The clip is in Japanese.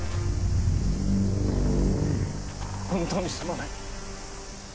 本当にすまない。